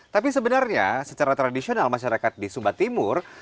tapi sebenarnya secara tradisional masyarakat di sumba timur